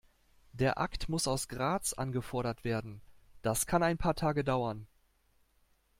Der Akt muss aus Graz angefordert werden, das kann ein paar Tage dauern.